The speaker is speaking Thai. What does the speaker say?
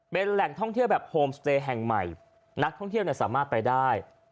เป็นแหล่งท่องเที่ยวแบบโฮมสเตย์แห่งใหม่นักท่องเที่ยวสามารถไปได้